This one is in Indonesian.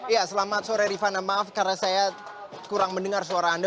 ya selamat sore rifana maaf karena saya kurang mendengar suara anda